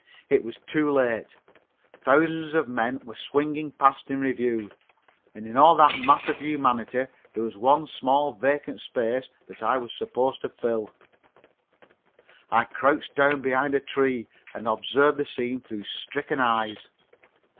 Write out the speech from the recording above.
It was too late. Thousands of men were swinging past in review, and in all that mass of humanity there was one small vacant place that I was supposed to fill. I crouched down behind a tree and observed the scene through stricken eyes.